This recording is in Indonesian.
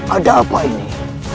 ada apa ini